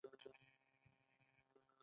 هند اقتصادي اصلاحات راوستل.